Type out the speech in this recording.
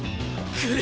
来る！